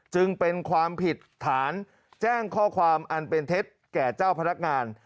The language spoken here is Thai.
จึงเป็นความผิดฐานแจ้งข้อความอันเป็นเท็จแก่เจ้าพนักงาน